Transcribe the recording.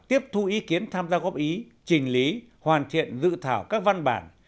tiếp thu ý kiến tham gia góp ý trình lý hoàn thiện dự thảo các văn bản